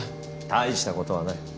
大したことはない。